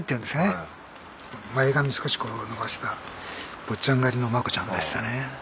前髪少しこう伸ばした坊ちゃん刈りのマコちゃんでしたね。